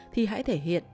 thì hãy thể hiện